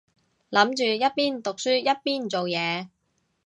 諗住一邊讀書一邊做嘢